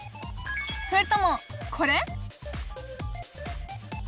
それともこれ？